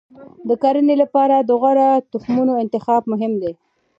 د کرنې لپاره د غوره تخمونو انتخاب مهم دی.